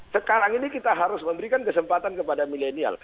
sekarang ini kita harus memberikan kesempatan kepada milenial